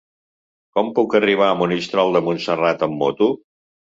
Com puc arribar a Monistrol de Montserrat amb moto?